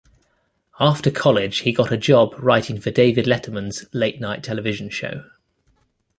After college he got a job writing for David Letterman's late night television show.